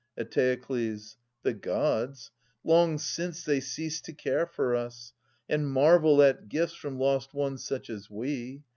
Eteokles. The Gods !— ^long since they ceased to care for us. And marvel at gifts from lost ones such as we.